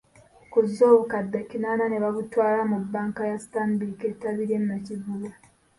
Kuzzo, obukadde kinaana nebabutwala mu banka ya Stanbic ettabi ly'e Nakivubo.